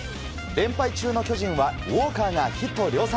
連敗中の巨人はウォーカーがヒット量産。